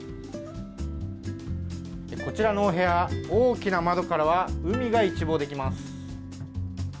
こちらのお部屋、大きな窓からは海が一望できます。